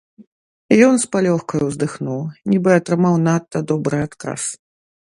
Ён з палёгкаю ўздыхнуў, нібы атрымаў надта добры адказ.